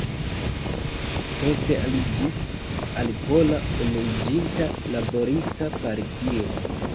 Poste aliĝis al Pola Unuiĝinta Laborista Partio.